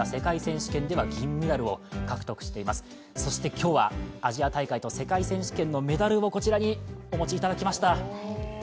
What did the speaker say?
今日はアジア大会と世界選手権のメダルをお持ちいただきました。